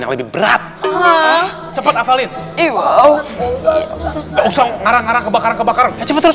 yang lebih berat cepat afalin iwow nggak usah ngarang ngarang kebakaran kebakaran terus